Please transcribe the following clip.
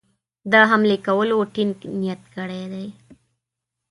د حملې کولو ټینګ نیت کړی دی.